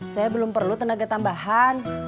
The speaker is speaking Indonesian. saya belum perlu tenaga tambahan